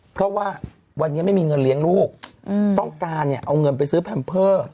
เพราะว่าวันนี้ไม่มีเงินเลี้ยงลูกต้องการเนี่ยเอาเงินไปซื้อแพมเพอร์